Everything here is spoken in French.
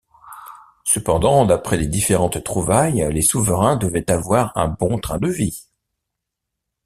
Cependant d'après les différentes trouvailles les souverains devaient avoir un bon train de vie.